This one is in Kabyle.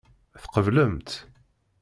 Tqeblemt?